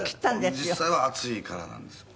「実際は暑いからなんですよ」